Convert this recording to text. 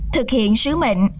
thực hiện sứ mệnh